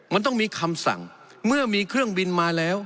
มันต้องมีคำสั่งเมื่อมีเครื่องบินมาแล้ว